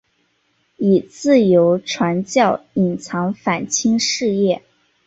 以自由传教隐藏反清事业。